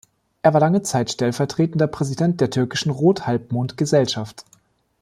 Er war lange Zeit stellvertretender Präsident der Türkischen Rothalbmond-Gesellschaft.